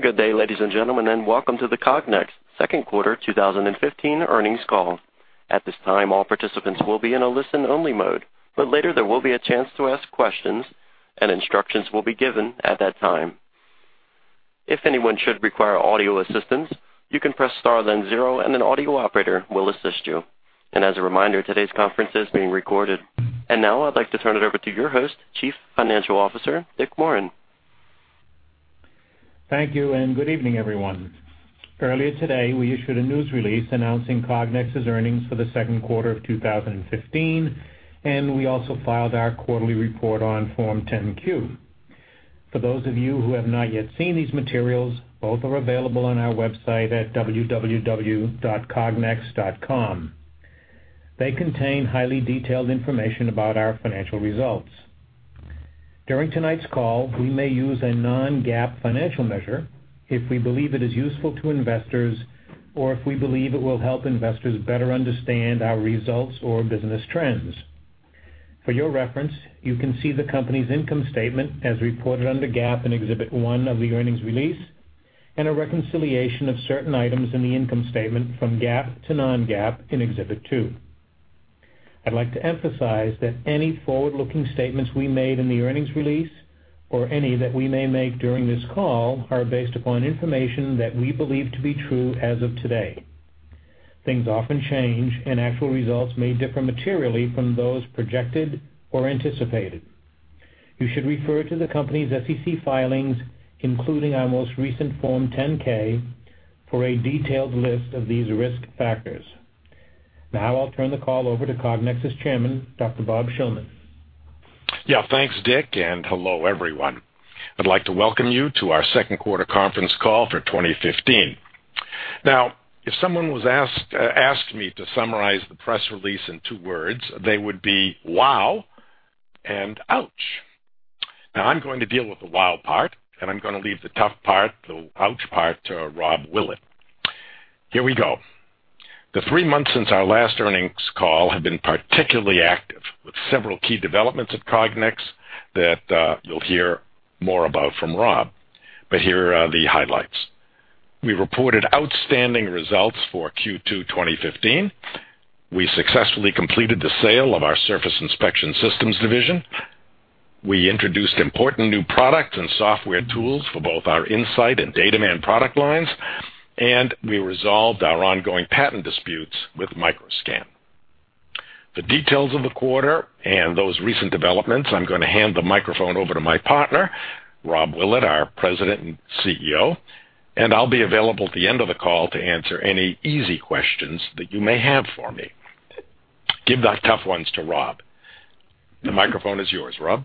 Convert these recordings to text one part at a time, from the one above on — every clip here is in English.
Good day, ladies and gentlemen, and welcome to the Cognex second quarter 2015 earnings call. At this time, all participants will be in a listen-only mode, but later there will be a chance to ask questions and instructions will be given at that time. If anyone should require audio assistance, you can press star, then zero, and an audio operator will assist you. As a reminder, today's conference is being recorded. Now I'd like to turn it over to your host, Chief Financial Officer Dick Morin. Thank you, and good evening, everyone. Earlier today, we issued a news release announcing Cognex's earnings for the second quarter of 2015, and we also filed our quarterly report on Form 10-Q. For those of you who have not yet seen these materials, both are available on our website at www.cognex.com. They contain highly detailed information about our financial results. During tonight's call, we may use a non-GAAP financial measure if we believe it is useful to investors or if we believe it will help investors better understand our results or business trends. For your reference, you can see the company's income statement as reported under GAAP in Exhibit 1 of the earnings release, and a reconciliation of certain items in the income statement from GAAP to non-GAAP in Exhibit 2. I'd like to emphasize that any forward-looking statements we made in the earnings release, or any that we may make during this call, are based upon information that we believe to be true as of today. Things often change, and actual results may differ materially from those projected or anticipated. You should refer to the company's SEC filings, including our most recent Form 10-K, for a detailed list of these risk factors. Now I'll turn the call over to Cognex's chairman, Dr. Bob Shillman. Yeah, thanks, Dick, and hello everyone. I'd like to welcome you to our second quarter conference call for 2015. Now, if someone asked me to summarize the press release in two words, they would be wow and ouch. Now, I'm going to deal with the wow part, and I'm going to leave the tough part, the ouch part, to Rob Willett. Here we go. The three months since our last earnings call have been particularly active, with several key developments at Cognex that you'll hear more about from Rob. But here are the highlights. We reported outstanding results for Q2 2015. We successfully completed the sale of our Surface Inspection Systems division. We introduced important new products and software tools for both our In-Sight and DataMan product lines, and we resolved our ongoing patent disputes with Microscan. The details of the quarter and those recent developments, I'm going to hand the microphone over to my partner, Rob Willett, our President and CEO, and I'll be available at the end of the call to answer any easy questions that you may have for me. Give the tough ones to Rob. The microphone is yours, Rob.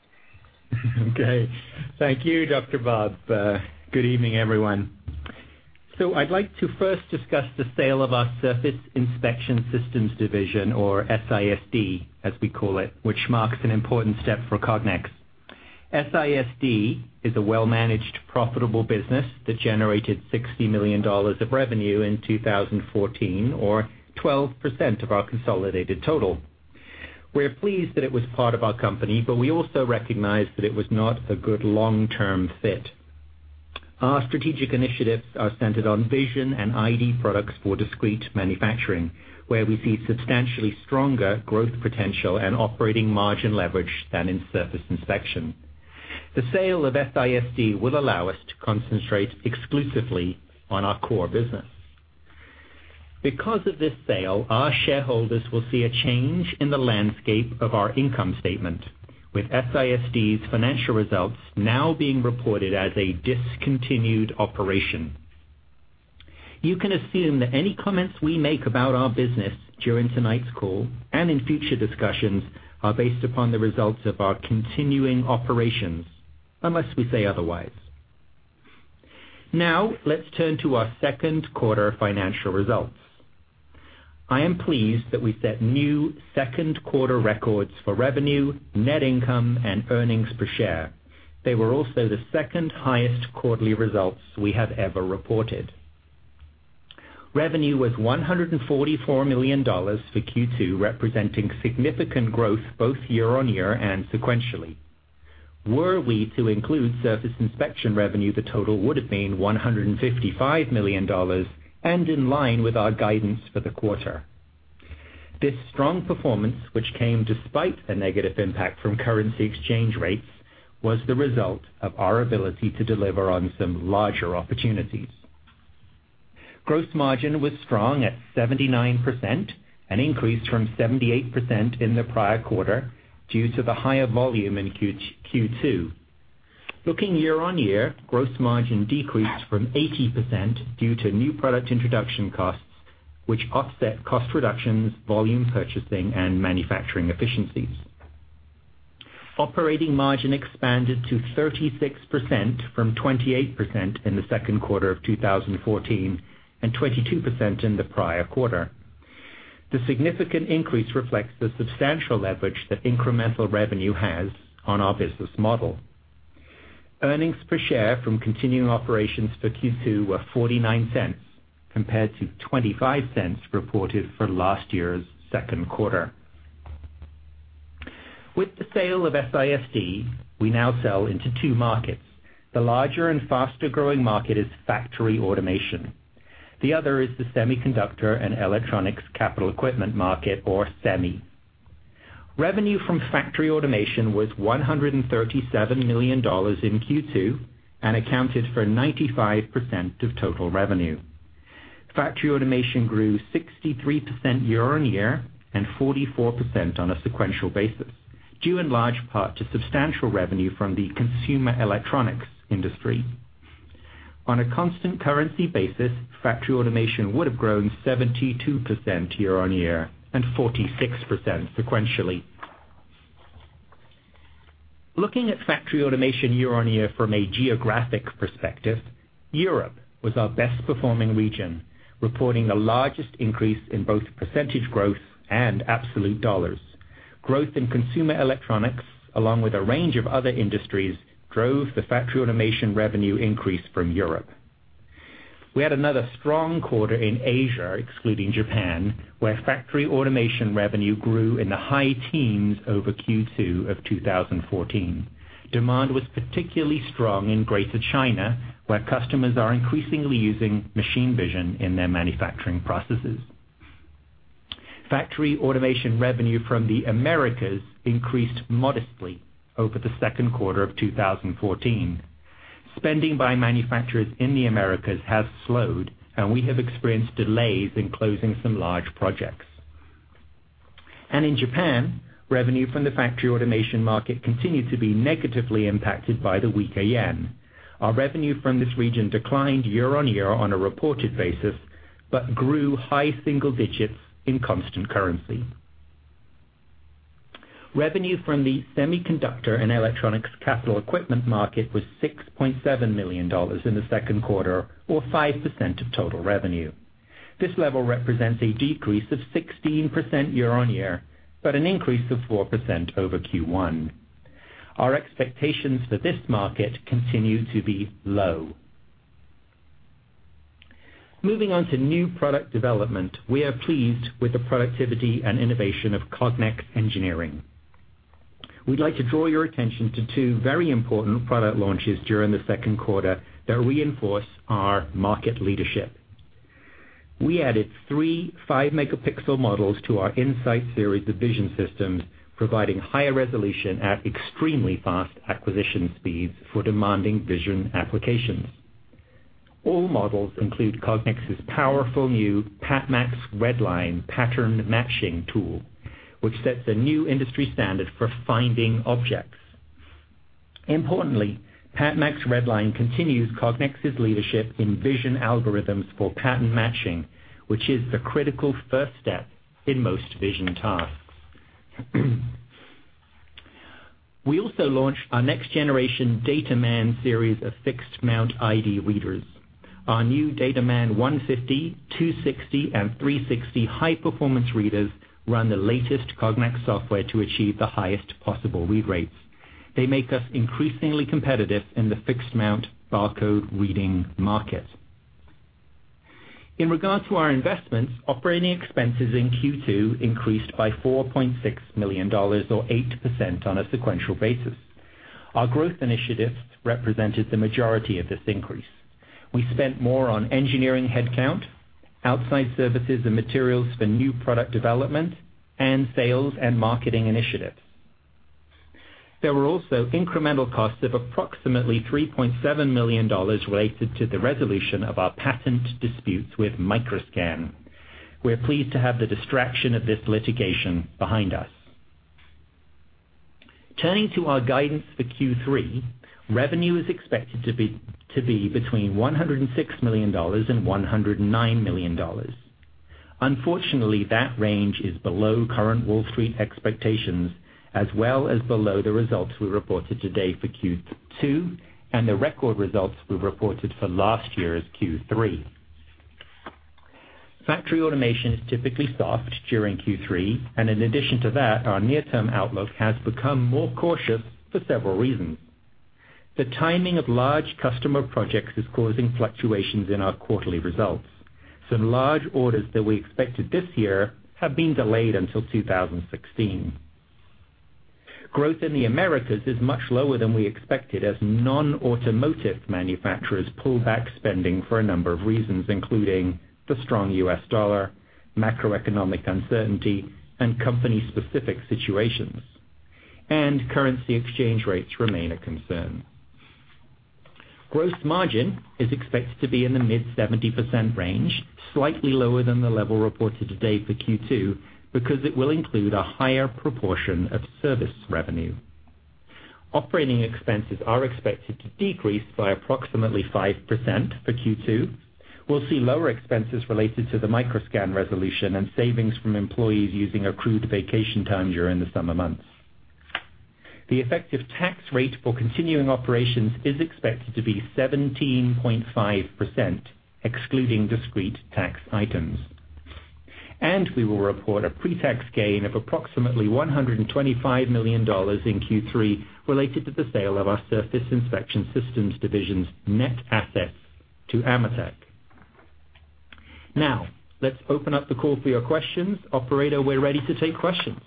Okay. Thank you, Dr. Bob. Good evening, everyone. So I'd like to first discuss the sale of our Surface Inspection Systems Division, or SISD, as we call it, which marks an important step for Cognex. SISD is a well-managed, profitable business that generated $60 million of revenue in 2014, or 12% of our consolidated total. We're pleased that it was part of our company, but we also recognize that it was not a good long-term fit. Our strategic initiatives are centered on vision and ID products for discrete manufacturing, where we see substantially stronger growth potential and operating margin leverage than in surface inspection. The sale of SISD will allow us to concentrate exclusively on our core business. Because of this sale, our shareholders will see a change in the landscape of our income statement, with SISD's financial results now being reported as a discontinued operation. You can assume that any comments we make about our business during tonight's call and in future discussions are based upon the results of our continuing operations, unless we say otherwise. Now, let's turn to our second quarter financial results. I am pleased that we set new second quarter records for revenue, net income, and earnings per share. They were also the second highest quarterly results we have ever reported. Revenue was $144 million for Q2, representing significant growth both year on year and sequentially. Were we to include surface inspection revenue, the total would have been $155 million and in line with our guidance for the quarter. This strong performance, which came despite a negative impact from currency exchange rates, was the result of our ability to deliver on some larger opportunities. Gross margin was strong at 79%, an increase from 78% in the prior quarter due to the higher volume in Q2. Looking year-on-year, gross margin decreased from 80% due to new product introduction costs, which offset cost reductions, volume purchasing, and manufacturing efficiencies. Operating margin expanded to 36% from 28% in the second quarter of 2014, and 22% in the prior quarter. The significant increase reflects the substantial leverage that incremental revenue has on our business model. Earnings per share from continuing operations for Q2 were $0.49, compared to $0.25 reported for last year's second quarter.... With the sale of SISD, we now sell into two markets. The larger and faster-growing market is factory automation. The other is the semiconductor and electronics capital equipment market, or SEMI. Revenue from factory automation was $137 million in Q2, and accounted for 95% of total revenue. Factory automation grew 63% year-on-year and 44% on a sequential basis, due in large part to substantial revenue from the consumer electronics industry. On a constant currency basis, factory automation would have grown 72% year-on-year and 46% sequentially. Looking at factory automation year-on-year from a geographic perspective, Europe was our best performing region, reporting the largest increase in both percentage growth and absolute dollars. Growth in consumer electronics, along with a range of other industries, drove the factory automation revenue increase from Europe. We had another strong quarter in Asia, excluding Japan, where factory automation revenue grew in the high teens over Q2 of 2014. Demand was particularly strong in Greater China, where customers are increasingly using machine vision in their manufacturing processes. Factory automation revenue from the Americas increased modestly over the second quarter of 2014. Spending by manufacturers in the Americas has slowed, and we have experienced delays in closing some large projects. In Japan, revenue from the factory automation market continued to be negatively impacted by the weak yen. Our revenue from this region declined year-on-year on a reported basis, but grew high single digits in constant currency. Revenue from the Semiconductor and Electronics Capital Equipment market was $6.7 million in the second quarter, or 5% of total revenue. This level represents a decrease of 16% year-on-year, but an increase of 4% over Q1. Our expectations for this market continue to be low. Moving on to new product development, we are pleased with the productivity and innovation of Cognex Engineering. We'd like to draw your attention to 2 very important product launches during the second quarter that reinforce our market leadership. We added 3 five-megapixel models to our In-Sight series of vision systems, providing higher resolution at extremely fast acquisition speeds for demanding vision applications. All models include Cognex's powerful new PatMax RedLine pattern matching tool, which sets a new industry standard for finding objects. Importantly, PatMax RedLine continues Cognex's leadership in vision algorithms for pattern matching, which is the critical first step in most vision tasks. We also launched our next generation DataMan series of fixed-mount ID readers. Our new DataMan 150, 260, and 360 high-performance readers run the latest Cognex software to achieve the highest possible read rates. They make us increasingly competitive in the fixed mount barcode reading market. In regards to our investments, operating expenses in Q2 increased by $4.6 million or 8% on a sequential basis. Our growth initiatives represented the majority of this increase. We spent more on engineering headcount, outside services and materials for new product development, and sales and marketing initiatives. There were also incremental costs of approximately $3.7 million related to the resolution of our patent disputes with Microscan. We are pleased to have the distraction of this litigation behind us. Turning to our guidance for Q3, revenue is expected to be between $106 million and $109 million. Unfortunately, that range is below current Wall Street expectations, as well as below the results we reported today for Q2 and the record results we reported for last year's Q3. Factory automation is typically soft during Q3, and in addition to that, our near-term outlook has become more cautious for several reasons. The timing of large customer projects is causing fluctuations in our quarterly results. Some large orders that we expected this year have been delayed until 2016. Growth in the Americas is much lower than we expected, as non-automotive manufacturers pull back spending for a number of reasons, including the strong U.S. dollar, macroeconomic uncertainty, and company-specific situations. Currency exchange rates remain a concern. Gross margin is expected to be in the mid-70% range, slightly lower than the level reported today for Q2, because it will include a higher proportion of service revenue. Operating expenses are expected to decrease by approximately 5% for Q2. We'll see lower expenses related to the Microscan resolution and savings from employees using accrued vacation time during the summer months. The effective tax rate for continuing operations is expected to be 17.5%, excluding discrete tax items. We will report a pre-tax gain of approximately $125 million in Q3 related to the sale of our Surface Inspection Systems Division's net assets to AMETEK. Now, let's open up the call for your questions. Operator, we're ready to take questions.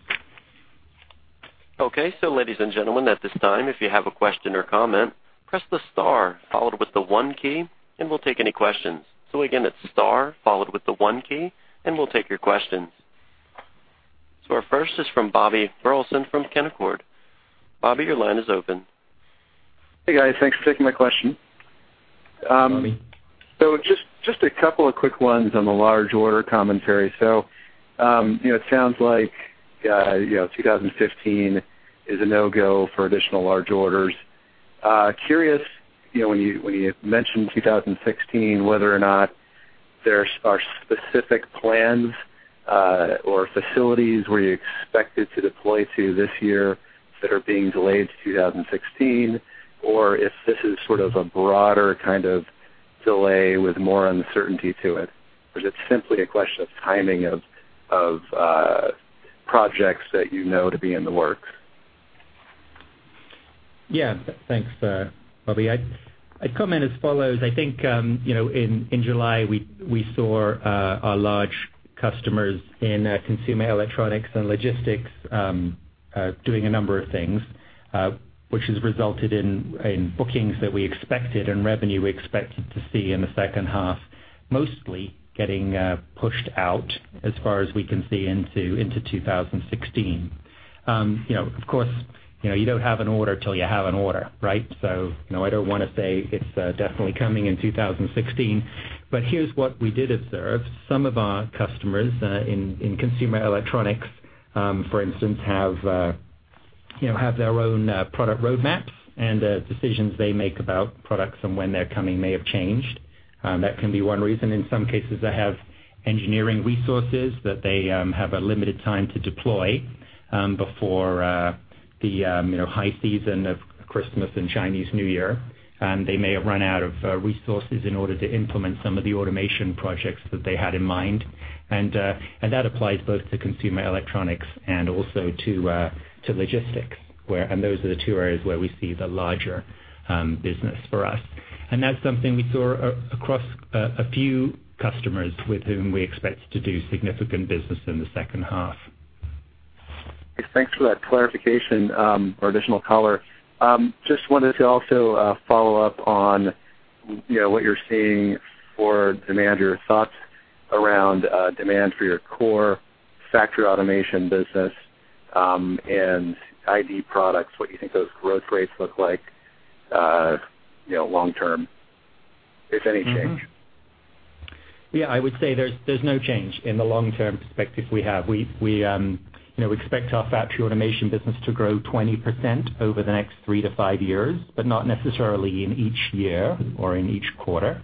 Okay. So ladies and gentlemen, at this time, if you have a question or comment, press the star followed with the one key, and we'll take any questions. So again, it's star followed with the one key, and we'll take your questions. So our first is from Bobby Burleson from Canaccord Genuity. Bobby, your line is open. Hey, guys. Thanks for taking my question. Bobby. So just, just a couple of quick ones on the large order commentary. So, you know, it sounds like, you know, 2015 is a no-go for additional large orders. Curious, you know, when you, when you mentioned 2016, whether or not there are specific plans, or facilities where you expect it to deploy to this year that are being delayed to 2016, or if this is sort of a broader kind of delay with more uncertainty to it, or is it simply a question of timing of, of, projects that you know to be in the works? Yeah. Thanks, Bobby. I'd comment as follows: I think, you know, in July, we saw our large customers in consumer electronics and logistics doing a number of things, which has resulted in bookings that we expected and revenue we expected to see in the second half, mostly getting pushed out as far as we can see into 2016. You know, of course, you know, you don't have an order till you have an order, right? So, you know, I don't wanna say it's definitely coming in 2016, but here's what we did observe. Some of our customers in consumer electronics, for instance, have, you know, have their own product roadmaps, and decisions they make about products and when they're coming may have changed. That can be one reason. In some cases, they have engineering resources that they have a limited time to deploy before the you know high season of Christmas and Chinese New Year. And they may have run out of resources in order to implement some of the automation projects that they had in mind. And that applies both to consumer electronics and also to logistics, where those are the two areas where we see the larger business for us. And that's something we saw across a few customers with whom we expect to do significant business in the second half. Thanks for that clarification, or additional color. Just wanted to also follow up on, you know, what you're seeing for demand, your thoughts around demand for your core factory automation business, and ID products, what you think those growth rates look like, you know, long term, if any change? Yeah, I would say there's no change in the long-term perspective we have. We, you know, expect our factory automation business to grow 20% over the next three to five years, but not necessarily in each year or in each quarter.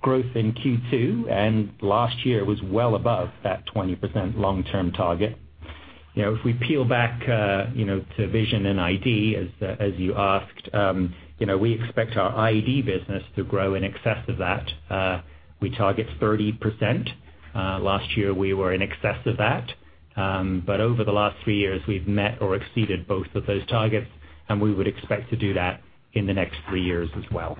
Growth in Q2 and last year was well above that 20% long-term target. You know, if we peel back, you know, to vision and ID, as you asked, you know, we expect our ID business to grow in excess of that. We target 30%. Last year, we were in excess of that. But over the last three years, we've met or exceeded both of those targets, and we would expect to do that in the next three years as well.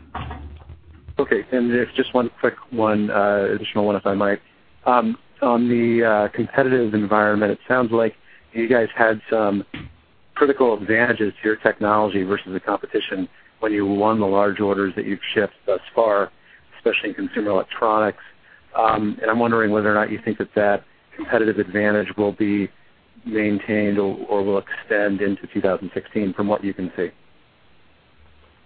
Okay. And there's just one quick one, additional one, if I might. On the competitive environment, it sounds like you guys had some critical advantages to your technology versus the competition when you won the large orders that you've shipped thus far, especially in consumer electronics. And I'm wondering whether or not you think that that competitive advantage will be maintained or will extend into 2016 from what you can see?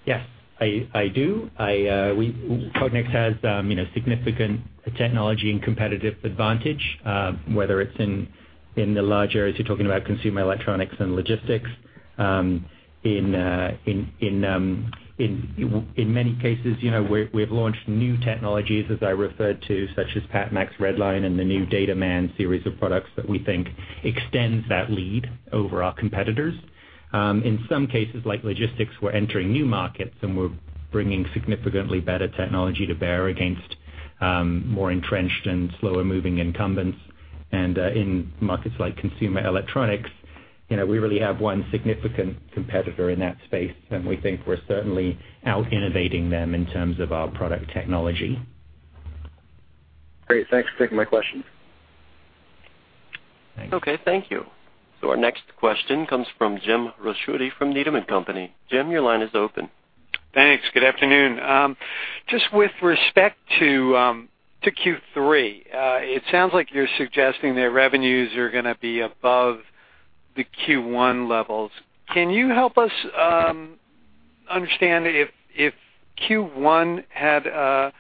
Yes, I do. Cognex has, you know, significant technology and competitive advantage, whether it's in the large areas you're talking about, consumer electronics and logistics. In many cases, you know, we've launched new technologies, as I referred to, such as PatMax RedLine and the new DataMan series of products that we think extends that lead over our competitors. In some cases, like logistics, we're entering new markets, and we're bringing significantly better technology to bear against more entrenched and slower-moving incumbents. In markets like consumer electronics, you know, we really have one significant competitor in that space, and we think we're certainly out-innovating them in terms of our product technology. Great. Thanks for taking my question. Thanks. Okay, thank you. So our next question comes from Jim Ricchiuti from Needham & Company. Jim, your line is open. Thanks. Good afternoon. Just with respect to Q3, it sounds like you're suggesting that revenues are gonna be above the Q1 levels. Can you help us understand if Q1 had a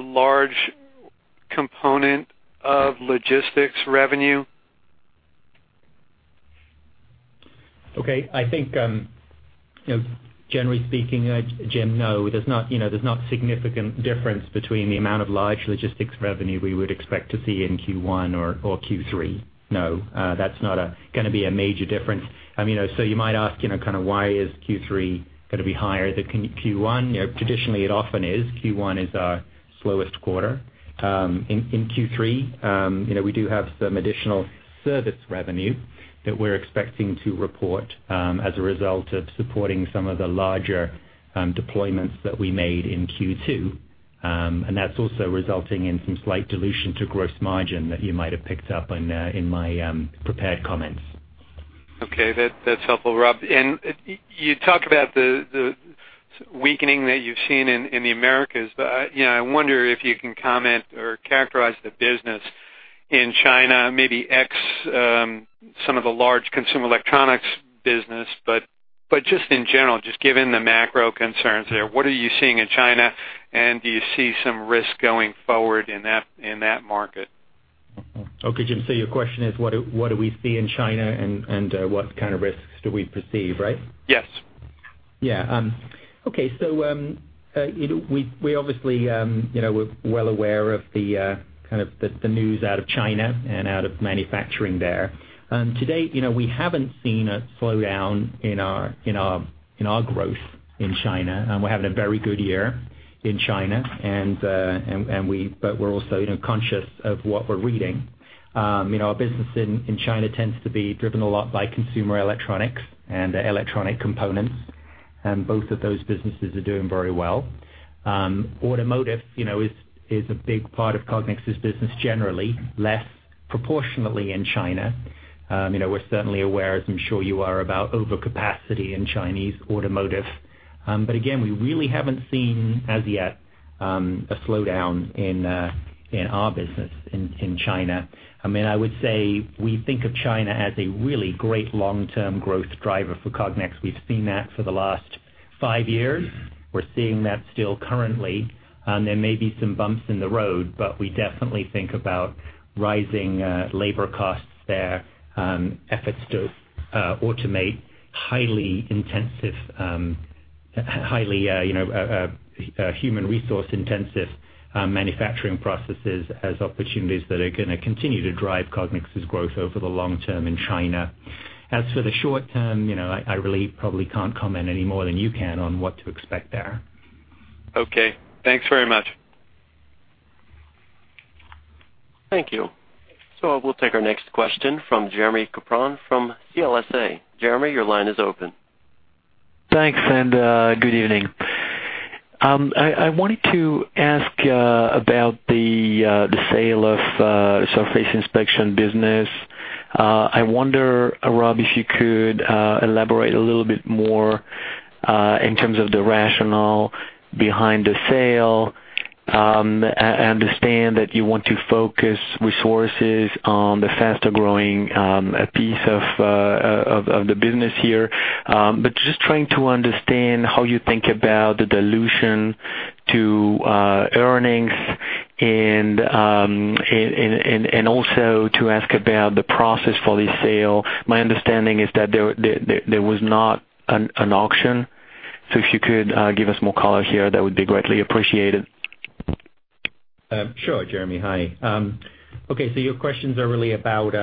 large component of logistics revenue? Okay. I think, you know, generally speaking, Jim, no, there's not, you know, there's not significant difference between the amount of large logistics revenue we would expect to see in Q1 or Q3. No, that's not gonna be a major difference. I mean, so you might ask, you know, kind of why is Q3 gonna be higher than Q1? You know, traditionally, it often is. Q1 is our slowest quarter. In Q3, you know, we do have some additional service revenue that we're expecting to report as a result of supporting some of the larger deployments that we made in Q2. And that's also resulting in some slight dilution to gross margin that you might have picked up on in my prepared comments. Okay, that's helpful, Rob. And you talk about the weakening that you've seen in the Americas. But you know, I wonder if you can comment or characterize the business in China, maybe ex some of the large consumer electronics business. But just in general, just given the macro concerns there, what are you seeing in China, and do you see some risk going forward in that market? Okay, Jim, so your question is what do we see in China, and what kind of risks do we perceive, right? Yes. Yeah. Okay, so, you know, we obviously, you know, we're well aware of the kind of the news out of China and out of manufacturing there. Today, you know, we haven't seen a slowdown in our growth in China, and we're having a very good year in China, and we—but we're also, you know, conscious of what we're reading. You know, our business in China tends to be driven a lot by consumer electronics and electronic components, and both of those businesses are doing very well. Automotive, you know, is a big part of Cognex's business, generally, less proportionately in China. You know, we're certainly aware, as I'm sure you are, about overcapacity in Chinese automotive. But again, we really haven't seen, as yet, a slowdown in our business in China. I mean, I would say we think of China as a really great long-term growth driver for Cognex. We've seen that for the last 5 years. We're seeing that still currently, and there may be some bumps in the road, but we definitely think about rising labor costs there, efforts to automate highly intensive, highly, you know, human resource-intensive manufacturing processes as opportunities that are gonna continue to drive Cognex's growth over the long term in China. As for the short term, you know, I really probably can't comment any more than you can on what to expect there. Okay. Thanks very much. Thank you. So we'll take our next question from Jérémie Capron from CLSA. Jérémie, your line is open. Thanks, and good evening. I wanted to ask about the sale of surface inspection business. I wonder, Rob, if you could elaborate a little bit more in terms of the rationale behind the sale. I understand that you want to focus resources on the faster-growing piece of the business here, but just trying to understand how you think about the dilution to earnings and also to ask about the process for this sale. My understanding is that there was not an auction. So if you could give us more color here, that would be greatly appreciated. Sure, Jérémie. Hi. Okay, so your questions are really about,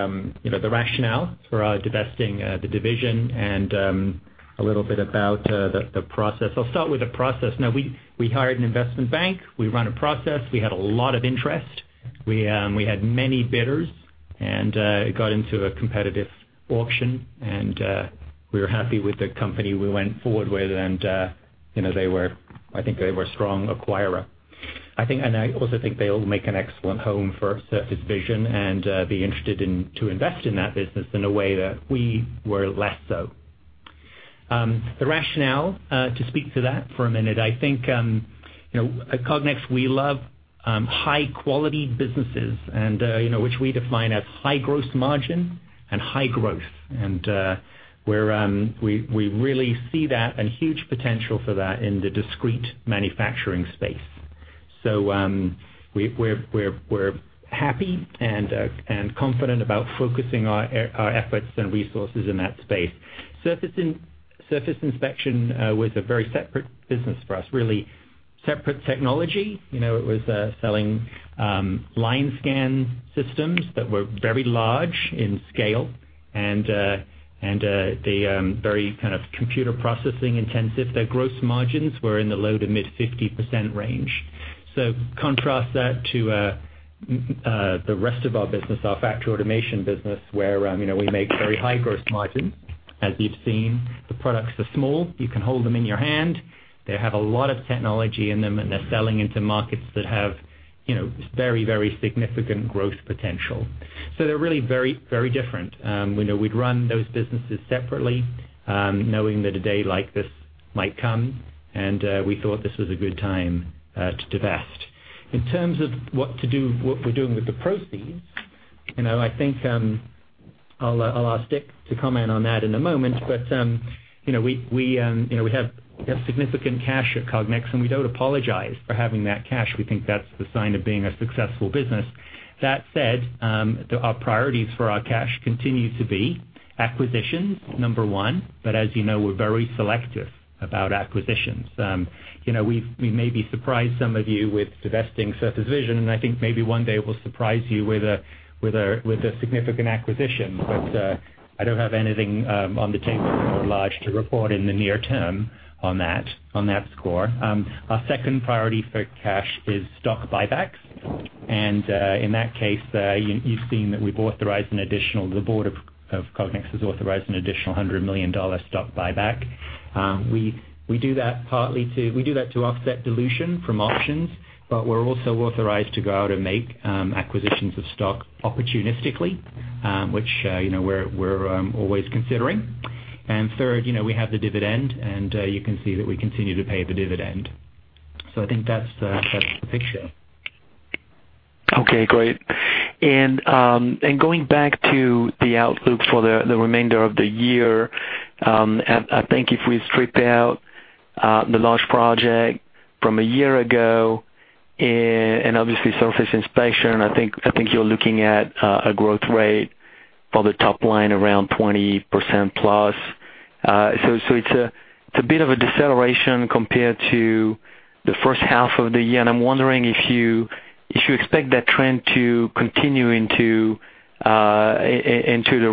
you know, the rationale for our divesting, the division and, a little bit about, the process. I'll start with the process. Now, we hired an investment bank. We ran a process. We had a lot of interest. We had many bidders, and, it got into a competitive auction, and, we were happy with the company we went forward with, and, you know, they were—I think they were a strong acquirer. I think, and I also think they'll make an excellent home for Surface Vision and, be interested in, to invest in that business in a way that we were less so. The rationale to speak to that for a minute, I think, you know, at Cognex, we love high-quality businesses and, you know, which we define as high gross margin and high growth. We really see that and huge potential for that in the discrete manufacturing space. We're happy and confident about focusing our efforts and resources in that space. Surface Inspection was a very separate business for us, really separate technology. You know, it was selling line scan systems that were very large in scale and very kind of computer processing intensive. Their gross margins were in the low-to-mid 50% range. So contrast that to, the rest of our business, our factory automation business, where, you know, we make very high gross margins. As you've seen, the products are small. You can hold them in your hand. They have a lot of technology in them, and they're selling into markets that have, you know, very, very significant growth potential. So they're really very, very different. You know, we'd run those businesses separately, knowing that a day like this might come, and, we thought this was a good time, to divest. In terms of what to do, what we're doing with the proceeds, you know, I think, I'll ask Dick to comment on that in a moment. But, you know, we have significant cash at Cognex, and we don't apologize for having that cash. We think that's the sign of being a successful business. That said, our priorities for our cash continue to be acquisitions, number one, but as you know, we're very selective about acquisitions. You know, we've maybe surprised some of you with divesting Surface Vision, and I think maybe one day we'll surprise you with a significant acquisition. But I don't have anything on the table at large to report in the near term on that score. Our second priority for cash is stock buybacks, and in that case, you've seen that we've authorized an additional—the board of Cognex has authorized an additional $100 million stock buyback. We do that to offset dilution from options, but we're also authorized to go out and make acquisitions of stock opportunistically, which, you know, we're always considering. And third, you know, we have the dividend, and you can see that we continue to pay the dividend. So I think that's the picture. Okay, great. And going back to the outlook for the remainder of the year, I think if we strip out the large project from a year ago, and obviously surface inspection, I think you're looking at a growth rate for the top line around 20% plus. So it's a bit of a deceleration compared to the first half of the year, and I'm wondering if you expect that trend to continue into the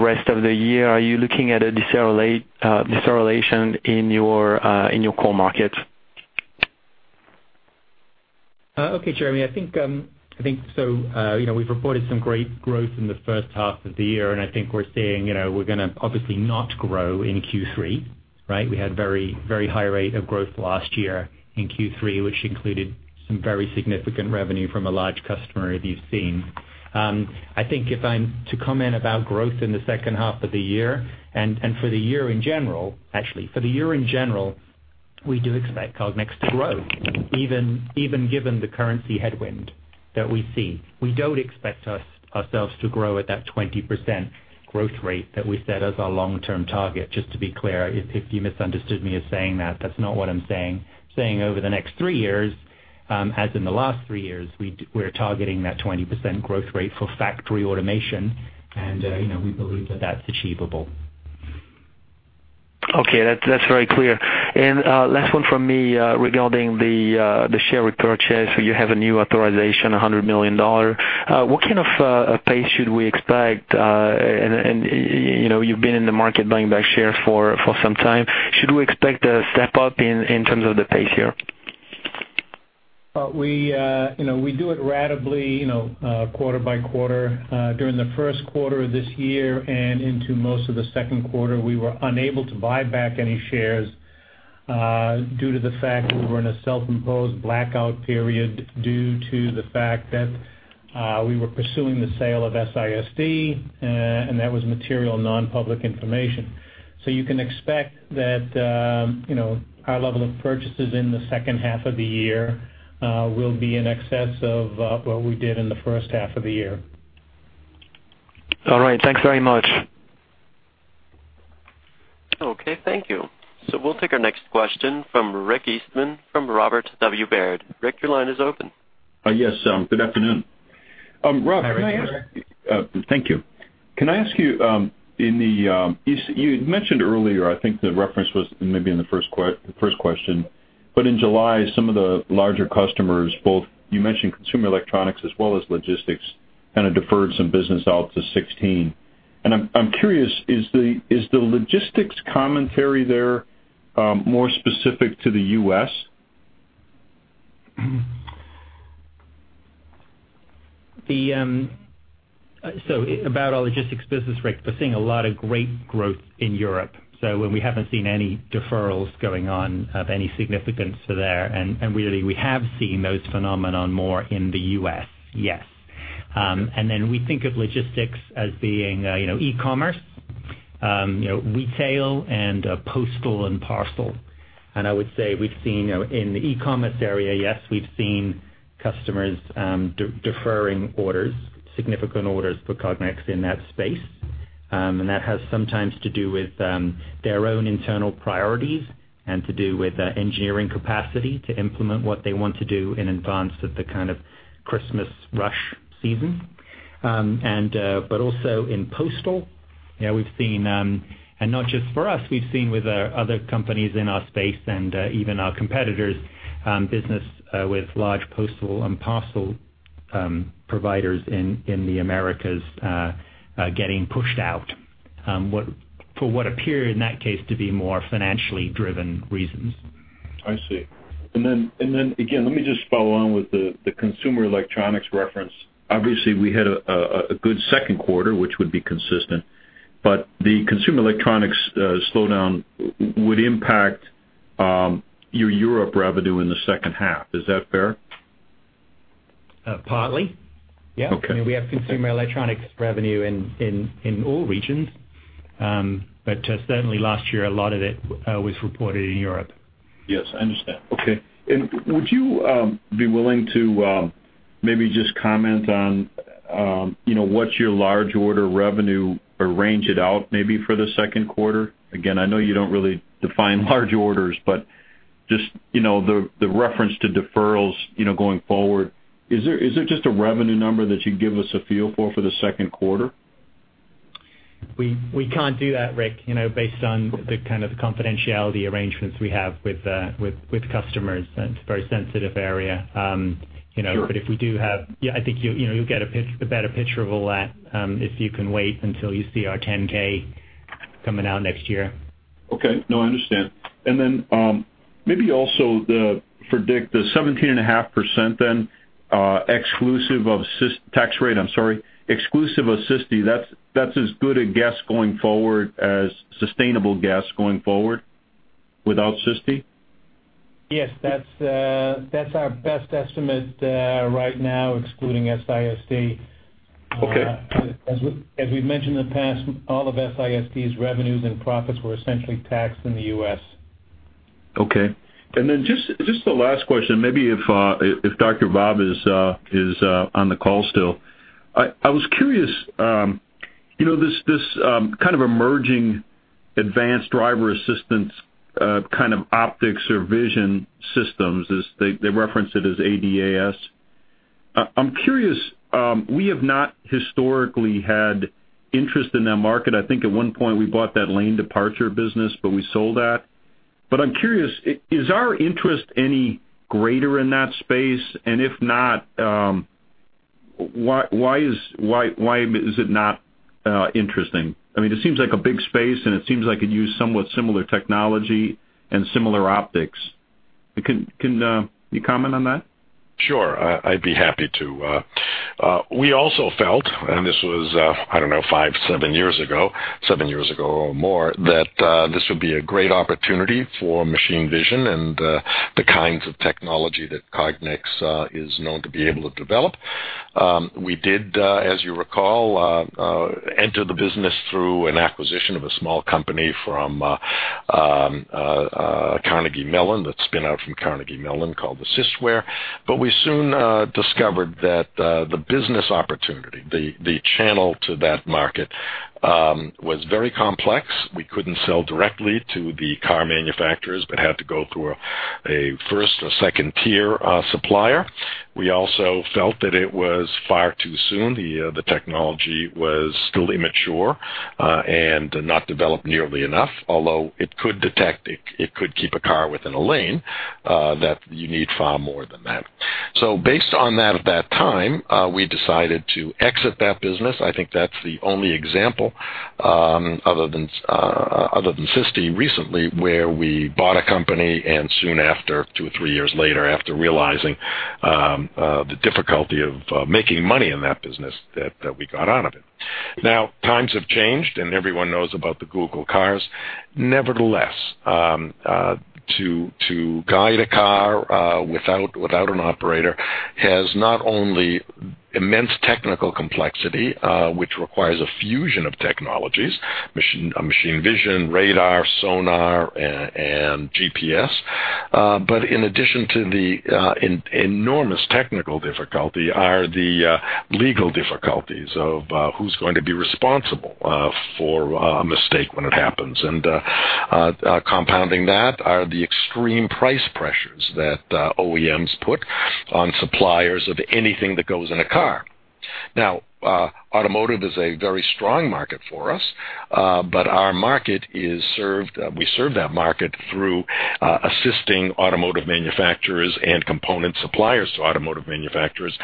rest of the year. Are you looking at a deceleration in your core markets? Okay, Jeremy, I think, I think so, you know, we've reported some great growth in the first half of the year, and I think we're seeing, you know, we're gonna obviously not grow in Q3, right? We had very, very high rate of growth last year in Q3, which included some very significant revenue from a large customer that you've seen. I think if I'm to comment about growth in the second half of the year and, and for the year in general, actually, for the year in general, we do expect Cognex to grow, even, even given the currency headwind that we see. We don't expect ourselves to grow at that 20% growth rate that we set as our long-term target. Just to be clear, if, if you misunderstood me as saying that, that's not what I'm saying. Saying over the next three years, as in the last three years, we're targeting that 20% growth rate for factory automation, and, you know, we believe that that's achievable. Okay, that's, that's very clear. And, last one from me, regarding the share repurchase. So you have a new authorization, $100 million. What kind of pace should we expect, and, you know, you've been in the market buying back shares for some time. Should we expect a step up in terms of the pace here? We, you know, we do it ratably, you know, quarter by quarter. During the first quarter of this year and into most of the second quarter, we were unable to buy back any shares, due to the fact that we were in a self-imposed blackout period, due to the fact that we were pursuing the sale of SISD, and that was material, nonpublic information. So you can expect that, you know, our level of purchases in the second half of the year will be in excess of what we did in the first half of the year. All right. Thanks very much. Okay, thank you. So we'll take our next question from Rick Eastman from Robert W. Baird. Rick, your line is open. Yes, good afternoon. Rob, Hi, Rick. Thank you. Can I ask you, you had mentioned earlier, I think the reference was maybe in the first question, but in July, some of the larger customers, both you mentioned consumer electronics as well as logistics, kind of deferred some business out to 2016. And I'm curious, is the logistics commentary there more specific to the U.S.? So about our logistics business, Rick, we're seeing a lot of great growth in Europe. So when we haven't seen any deferrals going on of any significance to there, and really we have seen those phenomenon more in the U.S. Yes. And then we think of logistics as being, you know, e-commerce, you know, retail and postal and parcel. And I would say we've seen, you know, in the e-commerce area, yes, we've seen customers, deferring orders, significant orders for Cognex in that space. And that has sometimes to do with, their own internal priorities and to do with, engineering capacity to implement what they want to do in advance of the kind of Christmas rush season. But also in postal, you know, we've seen, and not just for us, we've seen with other companies in our space and even our competitors, business with large postal and parcel providers in the Americas getting pushed out for what appeared in that case to be more financially driven reasons. I see. And then again, let me just follow on with the consumer electronics reference. Obviously, we had a good second quarter, which would be consistent, but the consumer electronics slowdown would impact your Europe revenue in the second half. Is that fair? Partly, yeah. Okay. I mean, we have consumer electronics revenue in all regions, but certainly last year, a lot of it was reported in Europe. Yes, I understand. Okay. And would you be willing to maybe just comment on, you know, what's your large order revenue or range it out maybe for the second quarter? Again, I know you don't really define large orders, but just, you know, the reference to deferrals, you know, going forward, is there just a revenue number that you'd give us a feel for for the second quarter? We can't do that, Rick, you know, based on the kind of confidentiality arrangements we have with customers, and it's a very sensitive area. You know- Sure. But if we do have... Yeah, I think you'll, you know, you'll get a better picture of all that, if you can wait until you see our 10-K coming out next year. Okay. No, I understand. And then, maybe also the, for Dick, the 17.5% then, I'm sorry, exclusive of SISD, that's as good a guess going forward as sustainable guess going forward without SISD? Yes, that's our best estimate right now, excluding SISD. Okay. As we, as we've mentioned in the past, all of SISD's revenues and profits were essentially taxed in the U.S. Okay. And then just the last question, maybe if Dr. Bob is on the call still. I was curious, you know, this kind of emerging advanced driver assistance kind of optics or vision systems, as they reference it as ADAS. I'm curious, we have not historically had interest in that market. I think at one point we bought that lane departure business, but we sold that. But I'm curious, is our interest any greater in that space? And if not, why is it not interesting? I mean, it seems like a big space, and it seems like it use somewhat similar technology and similar optics. Can you comment on that? Sure. I'd be happy to. We also felt, and this was, I don't know, 5, 7 years ago, 7 years ago or more, that this would be a great opportunity for machine vision and the kinds of technology that Cognex is known to be able to develop. We did, as you recall, enter the business through an acquisition of a small company from Carnegie Mellon, that spin out from Carnegie Mellon called the AssistWare. But we soon discovered that the business opportunity, the channel to that market, was very complex. We couldn't sell directly to the car manufacturers, but had to go through a first or second tier supplier. We also felt that it was far too soon. The technology was still immature and not developed nearly enough. Although it could detect, it could keep a car within a lane, that you need far more than that. So based on that, at that time, we decided to exit that business. I think that's the only example, other than SISD recently, where we bought a company, and soon after, two or three years later, after realizing the difficulty of making money in that business, that we got out of it. Now, times have changed, and everyone knows about the Google cars. Nevertheless, to guide a car without an operator has not only immense technical complexity, which requires a fusion of technologies, machine vision, radar, sonar, and GPS. But in addition to the enormous technical difficulty are the legal difficulties of who's going to be responsible for a mistake when it happens. And compounding that are the extreme price pressures that OEMs put on suppliers of anything that goes in a car. Now automotive is a very strong market for us, but our market is served. We serve that market through assisting automotive manufacturers and component suppliers to automotive manufacturers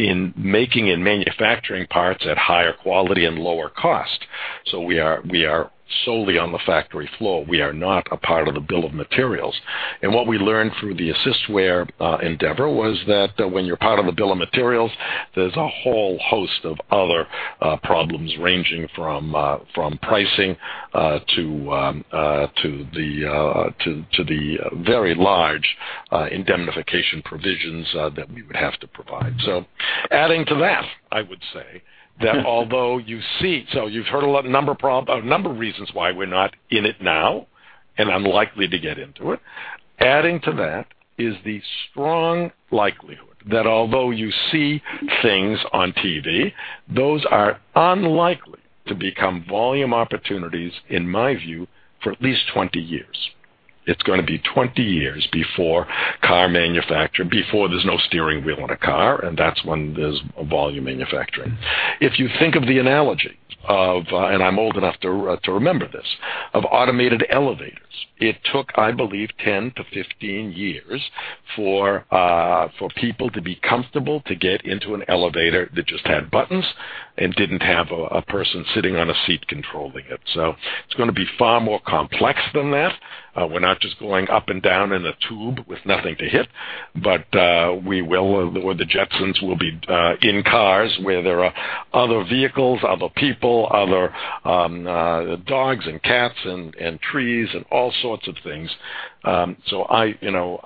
in making and manufacturing parts at higher quality and lower cost. So we are, we are solely on the factory floor. We are not a part of the bill of materials. What we learned through the AssistWare endeavor was that when you're part of the bill of materials, there's a whole host of other problems, ranging from pricing to the very large indemnification provisions that we would have to provide. So adding to that, I would say that although you see... So you've heard a lot, a number of reasons why we're not in it now and unlikely to get into it. Adding to that is the strong likelihood that although you see things on TV, those are unlikely to become volume opportunities, in my view, for at least 20 years. It's gonna be 20 years before car manufacture, before there's no steering wheel on a car, and that's when there's a volume manufacturing. If you think of the analogy of, and I'm old enough to remember this, of automated elevators, it took, I believe, 10-15 years for people to be comfortable to get into an elevator that just had buttons and didn't have a person sitting on a seat controlling it. So it's gonna be far more complex than that. We're not just going up and down in a tube with nothing to hit, but we will, or the Jetsons will be, in cars where there are other vehicles, other people, other dogs and cats and trees and all sorts of things. So I, you know,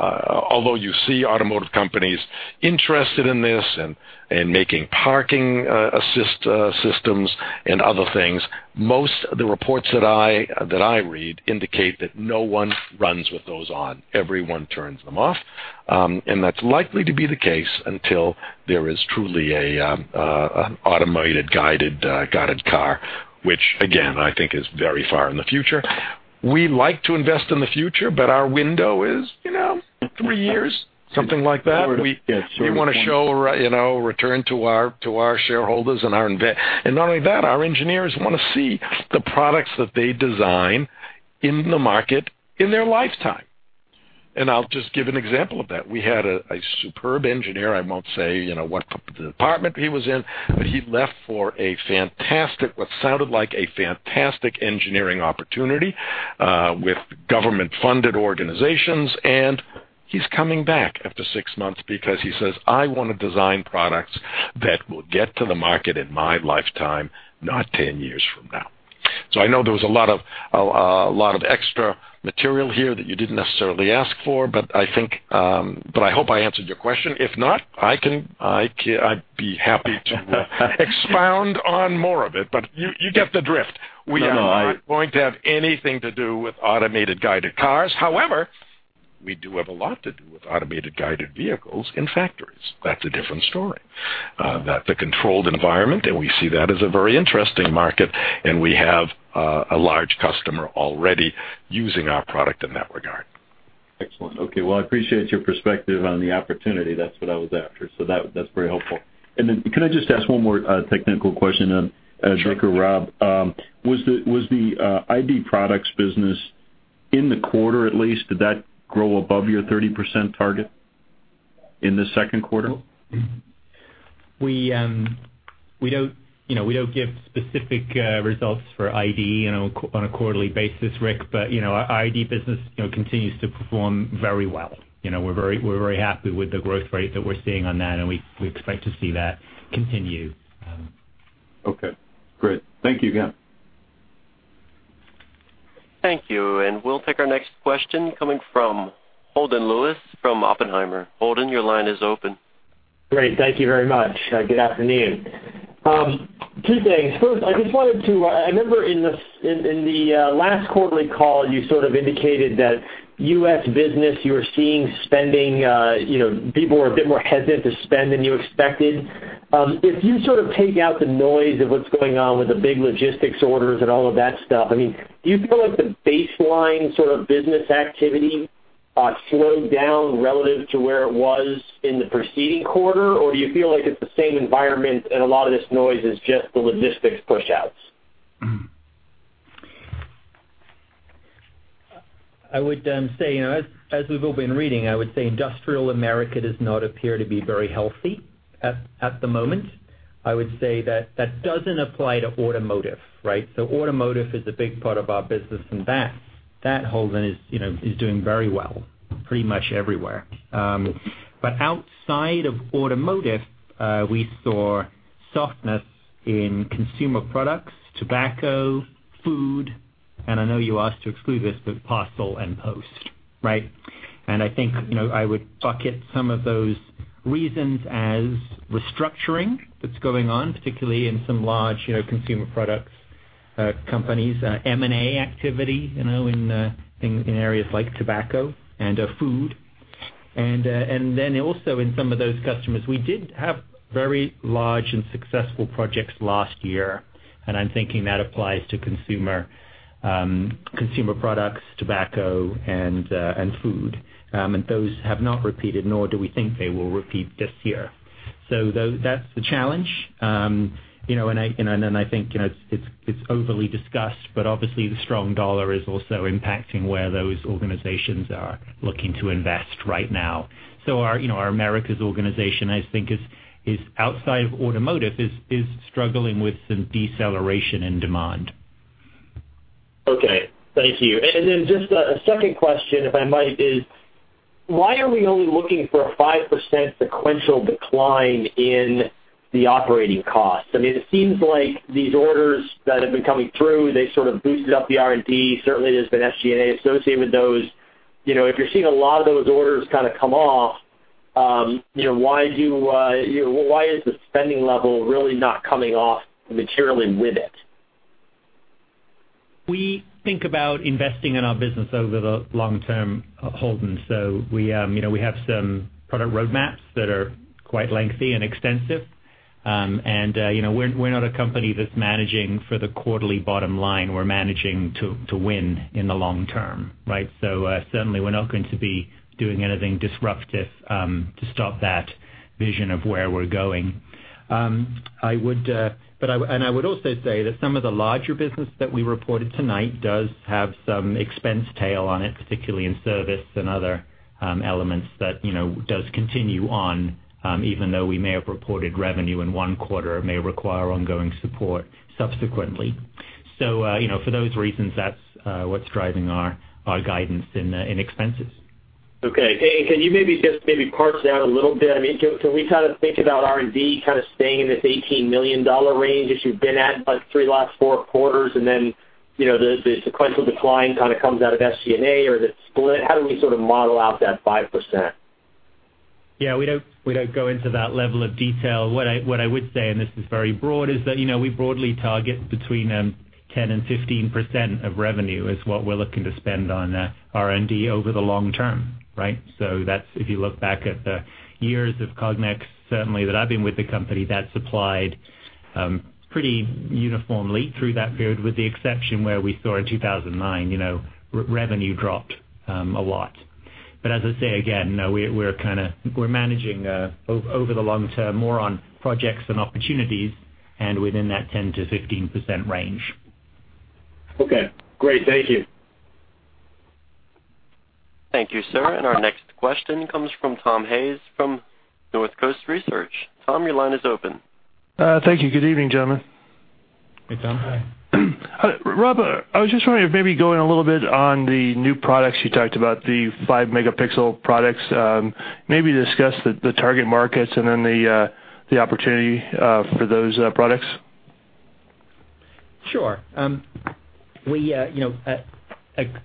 although you see automotive companies interested in this and, and making parking assist systems and other things, most of the reports that I, that I read indicate that no one runs with those on. Everyone turns them off, and that's likely to be the case until there is truly an automated guided car, which again, I think is very far in the future. We like to invest in the future, but our window is, you know, three years, something like that. We want to show, you know, return to our, to our shareholders and our inves-- And not only that, our engineers want to see the products that they design in the market in their lifetime. And I'll just give an example of that. We had a superb engineer. I won't say, you know, what department he was in, but he left for a fantastic, what sounded like a fantastic engineering opportunity with government-funded organizations, and he's coming back after six months because he says, "I want to design products that will get to the market in my lifetime, not 10 years from now." So I know there was a lot of extra material here that you didn't necessarily ask for, but I think, but I hope I answered your question. If not, I can, I'd be happy to expound on more of it, but you, you get the drift. No, no, I. We are not going to have anything to do with automated guided cars. However, we do have a lot to do with automated guided vehicles in factories. That's a different story. That's a controlled environment, and we see that as a very interesting market, and we have a large customer already using our product in that regard. Excellent. Okay, well, I appreciate your perspective on the opportunity. That's what I was after. So that, that's very helpful. And then could I just ask one more, technical question on, Rob? Sure. Was the ID products business in the quarter, at least, did that grow above your 30% target in the second quarter? We, we don't, you know, we don't give specific results for ID, you know, on a quarterly basis, Rick. But, you know, our ID business, you know, continues to perform very well. You know, we're very, we're very happy with the growth rate that we're seeing on that, and we, we expect to see that continue. Okay, great. Thank you again. Thank you, and we'll take our next question coming from Holden Lewis from Oppenheimer. Holden, your line is open. Great. Thank you very much. Good afternoon. Two things. First, I just wanted to, I remember in the last quarterly call, you sort of indicated that U.S. business, you were seeing spending, you know, people were a bit more hesitant to spend than you expected. If you sort of take out the noise of what's going on with the big logistics orders and all of that stuff, I mean, do you feel like the baseline sort of business activity slowed down relative to where it was in the preceding quarter? Or do you feel like it's the same environment, and a lot of this noise is just the logistics pushouts? I would say, you know, as we've all been reading, I would say industrial America does not appear to be very healthy at the moment. I would say that that doesn't apply to automotive, right? So automotive is a big part of our business, and that Holden is, you know, is doing very well, pretty much everywhere. But outside of automotive, we saw softness in consumer products, tobacco, food, and I know you asked to exclude this, but parcel and post, right? And I think, you know, I would bucket some of those reasons as restructuring that's going on, particularly in some large, you know, consumer products companies, M&A activity, you know, in areas like tobacco and food. And, and then also in some of those customers, we did have very large and successful projects last year, and I'm thinking that applies to consumer, consumer products, tobacco, and, and food. And those have not repeated, nor do we think they will repeat this year. So that's the challenge. You know, and I, and, and I think, you know, it's, it's overly discussed, but obviously the strong dollar is also impacting where those organizations are looking to invest right now. So our, you know, our Americas organization, I think is, is outside of automotive, is, is struggling with some deceleration in demand. Okay. Thank you. And then just a second question, if I might, is why are we only looking for a 5% sequential decline in the operating costs? I mean, it seems like these orders that have been coming through, they sort of boosted up the R&D. Certainly, there's been SG&A associated with those. You know, if you're seeing a lot of those orders kind of come off, you know, why do you, you know, why is the spending level really not coming off materially with it? We think about investing in our business over the long term, Holden. So we, you know, we have some product roadmaps that are quite lengthy and extensive. And, you know, we're, we're not a company that's managing for the quarterly bottom line. We're managing to, to win in the long term, right? So, certainly we're not going to be doing anything disruptive, to stop that vision of where we're going. I would, but I would also say that some of the larger business that we reported tonight does have some expense tail on it, particularly in service and other, elements that, you know, does continue on, even though we may have reported revenue in one quarter, it may require ongoing support subsequently. So, you know, for those reasons, that's what's driving our guidance in expenses. Okay. Can you maybe just maybe parse out a little bit? I mean, can, can we kind of think about R&D kind of staying in this $18 million range as you've been at like 3 last 4 quarters, and then, you know, the, the sequential decline kind of comes out of SG&A or is it split? How do we sort of model out that 5%? Yeah, we don't, we don't go into that level of detail. What I, what I would say, and this is very broad, is that, you know, we broadly target between 10% and 15% of revenue is what we're looking to spend on R&D over the long term, right? So that's if you look back at the years of Cognex, certainly that I've been with the company, that's applied pretty uniformly through that period, with the exception where we saw in 2009, you know, revenue dropped a lot. But as I say again, we're kind of we're managing over the long term, more on projects and opportunities and within that 10%-15% range. Okay, great. Thank you. Thank you, sir. Our next question comes from Tom Hayes, from North Coast Research. Tom, your line is open. Thank you. Good evening, gentlemen. Hey, Tom. Hi. Rob, I was just wondering if maybe going a little bit on the new products you talked about, the 5-megapixel products. Maybe discuss the target markets and then the opportunity for those products. Sure. We, you know, at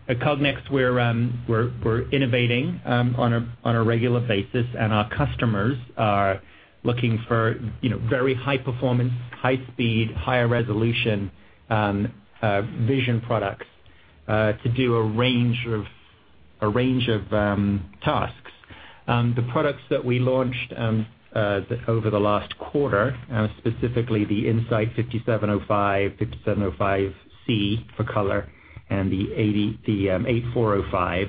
Cognex, we're innovating on a regular basis, and our customers are looking for, you know, very high performance, high speed, higher resolution vision products to do a range of tasks. The products that we launched over the last quarter, specifically the In-Sight 5705, 5705C for color, and the 8405,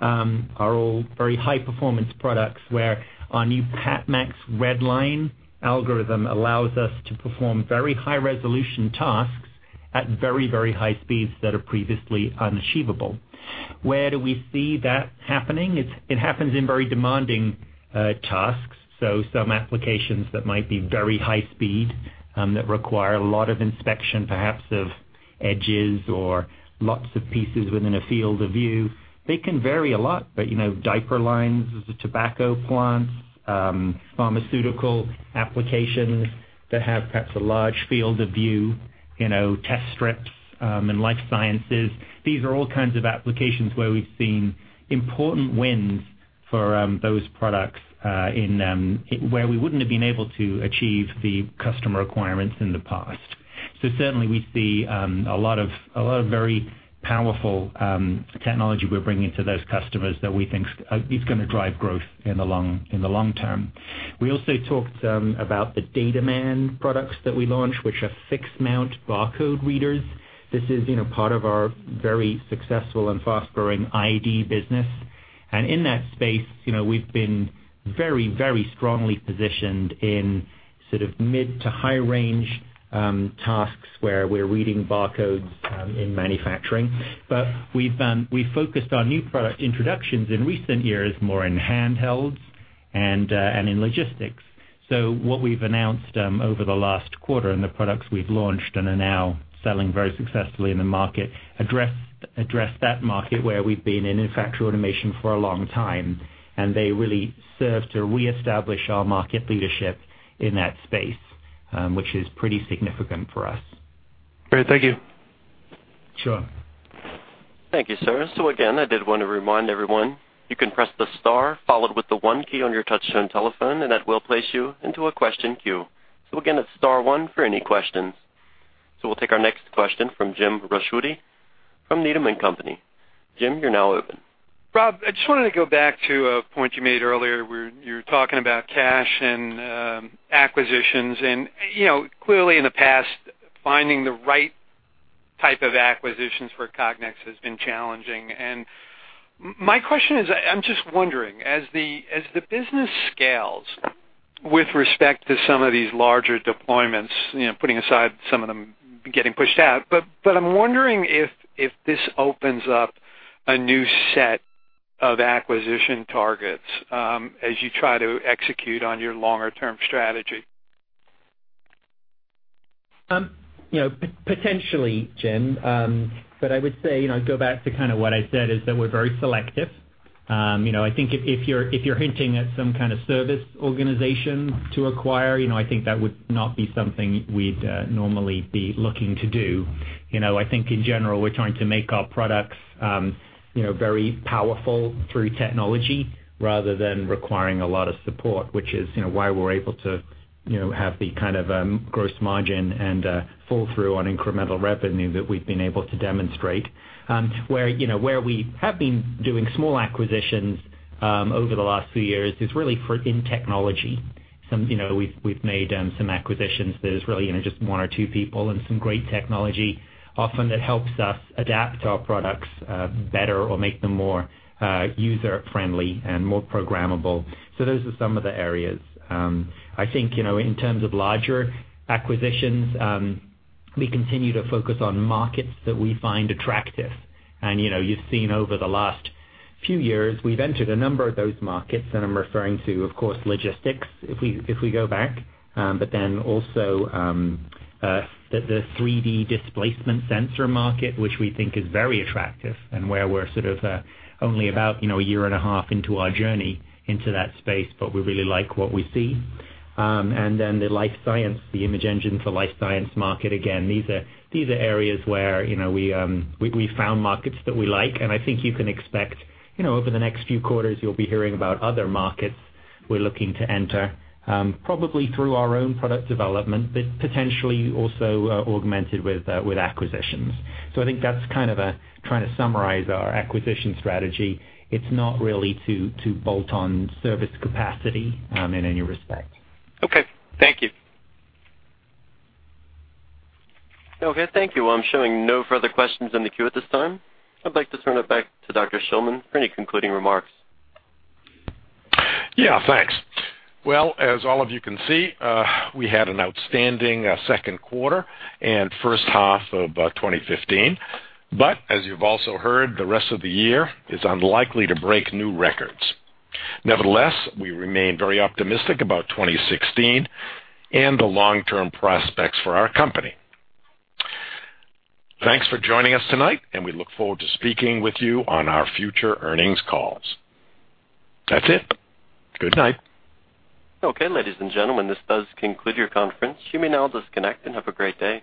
are all very high performance products where our new PatMax RedLine algorithm allows us to perform very high resolution tasks at very, very high speeds that are previously unachievable. Where do we see that happening? It happens in very demanding tasks. So some applications that might be very high speed that require a lot of inspection, perhaps, of edges or lots of pieces within a field of view. They can vary a lot, but, you know, diaper lines, the tobacco plants, pharmaceutical applications that have perhaps a large field of view, you know, test strips, and life sciences. These are all kinds of applications where we've seen important wins for those products, in where we wouldn't have been able to achieve the customer requirements in the past. So certainly, we see a lot of, a lot of very powerful technology we're bringing to those customers that we think is gonna drive growth in the long, in the long term. We also talked about the DataMan products that we launched, which are fixed mount barcode readers. This is, you know, part of our very successful and fast-growing ID business. In that space, you know, we've been very, very strongly positioned in sort of mid to high range tasks, where we're reading barcodes in manufacturing. We've focused on new product introductions in recent years, more in handhelds and in logistics. What we've announced over the last quarter, and the products we've launched and are now selling very successfully in the market, address, address that market, where we've been in factory automation for a long time, and they really serve to reestablish our market leadership in that space, which is pretty significant for us. Great. Thank you. Sure. Thank you, sir. So again, I did want to remind everyone, you can press the star followed with the one key on your touchtone telephone, and that will place you into a question queue. So again, it's star one for any questions. So we'll take our next question from Jim Ricchiuti from Needham & Company. Jim, you're now open. Rob, I just wanted to go back to a point you made earlier, where you were talking about cash and acquisitions. You know, clearly in the past, finding the right type of acquisitions for Cognex has been challenging. My question is, I'm just wondering, as the business scales with respect to some of these larger deployments, you know, putting aside some of them getting pushed out, but I'm wondering if this opens up a new set of acquisition targets, as you try to execute on your longer term strategy. You know, potentially, Jim. But I would say, you know, go back to kind of what I said, is that we're very selective. You know, I think if you're hinting at some kind of service organization to acquire, you know, I think that would not be something we'd normally be looking to do. You know, I think in general, we're trying to make our products very powerful through technology rather than requiring a lot of support, which is, you know, why we're able to have the kind of gross margin and pull through on incremental revenue that we've been able to demonstrate. Where, you know, where we have been doing small acquisitions over the last few years is really for in technology. Some, you know, we've made some acquisitions that is really, you know, just one or two people and some great technology. Often that helps us adapt our products better or make them more user friendly and more programmable. So those are some of the areas. I think, you know, in terms of larger acquisitions, we continue to focus on markets that we find attractive. You know, you've seen over the last few years, we've entered a number of those markets, and I'm referring to, of course, logistics, if we go back. But then also, the 3D displacement sensor market, which we think is very attractive and where we're sort of only about, you know, a year and a half into our journey into that space, but we really like what we see. And then the life science, the image engine for life science market. Again, these are areas where, you know, we found markets that we like, and I think you can expect, you know, over the next few quarters, you'll be hearing about other markets we're looking to enter, probably through our own product development, but potentially also with acquisitions. So I think that's kind of a trying to summarize our acquisition strategy. It's not really to bolt on service capacity in any respect. Okay, thank you. Okay, thank you. I'm showing no further questions in the queue at this time. I'd like to turn it back to Dr. Shillman for any concluding remarks. Yeah, thanks. Well, as all of you can see, we had an outstanding second quarter and first half of 2015. But as you've also heard, the rest of the year is unlikely to break new records. Nevertheless, we remain very optimistic about 2016 and the long-term prospects for our company. Thanks for joining us tonight, and we look forward to speaking with you on our future earnings calls. That's it. Good night. Okay, ladies and gentlemen, this does conclude your conference. You may now disconnect and have a great day.